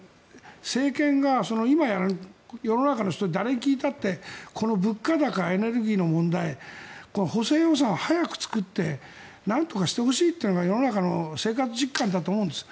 政権が今世の中の人誰に聞いたってこの物価高、エネルギーの問題補正予算案を早く作ってなんとかしてほしいというのが世の中の生活実感だと思うんです。